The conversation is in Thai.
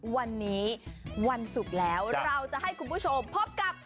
วันนี้วันศุกร์แล้วเราจะให้คุณผู้ชมพบกับ